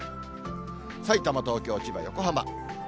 さいたま、東京、千葉、横浜。